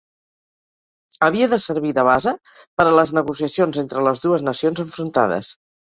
Havia de servir de base per a les negociacions entre les dues nacions enfrontades.